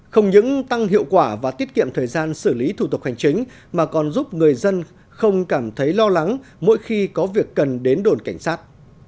không những tăng hiệu quả và tiết kiệm thời gian xử lý thủ tục hành chính mà còn giúp người dân không cảm thấy lo lắng mỗi khi có việc cần đến đồn cảnh sát